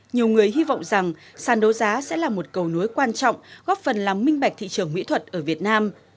nhiều người hy vọng rằng sản đấu giá sẽ là một cầu nối quan trọng góp phần làm minh bạch thị trường mỹ thuật ở việt nam